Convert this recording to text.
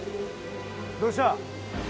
どうした？